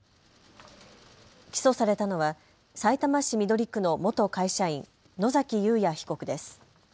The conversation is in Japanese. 起訴されたのはさいたま市緑区の元会社員、野崎祐也被告です。